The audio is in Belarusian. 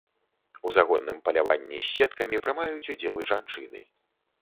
У загонным паляванні з сеткамі прымаюць удзел і жанчыны.